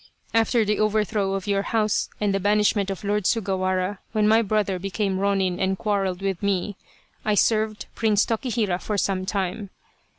" After the overthrow of your house and the banish ment of Lord Sugawara, when my brother became ronin and quarrelled with me, I served Prince Tokihira for some time.